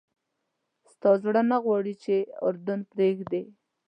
ستا زړه نه غواړي چې اردن پرېږدې.